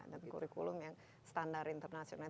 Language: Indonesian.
dan kurikulum yang standar internasional